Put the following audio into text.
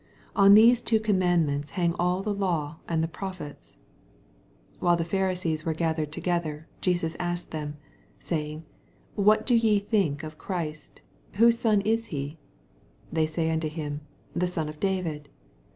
40 On these two commandments hang all the law and the Proph ets. 41 While the Pharisees were gath ered together, Jesus asked them, 42 Saying, what think ye of Christ ? whoso son IS he t They say onto him, The San ofDavid.